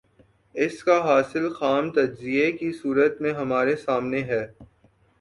اس کا حاصل خام تجزیے کی صورت میں ہمارے سامنے ہے۔